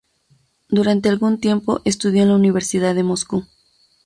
Durante algún tiempo estudió en la Universidad de Moscú.